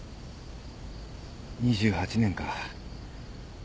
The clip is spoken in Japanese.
２８年か。